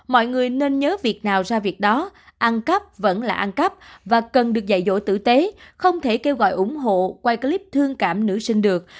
mọi người nên nhớ việc nào ra việc đó ăn cắp vẫn là ăn cắp và cần được dạy dỗ tử tế không thể kêu gọi ủng hộ quay clip thương cảm nữ sinh được